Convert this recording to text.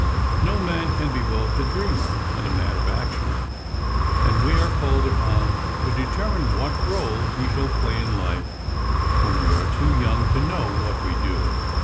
No man can be both a dreamer and a man of action, and we are called upon to determine what role we shall play in life when we are too young to know what we do.